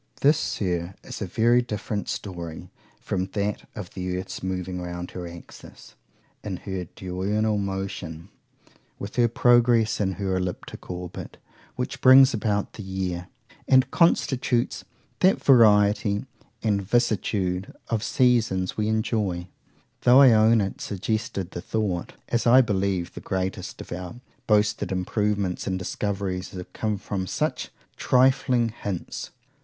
This, Sir, is a very different story from that of the earth's moving round her axis, in her diurnal rotation, with her progress in her elliptick orbit which brings about the year, and constitutes that variety and vicissitude of seasons we enjoy;—though I own it suggested the thought,—as I believe the greatest of our boasted improvements and discoveries have come from such trifling hints.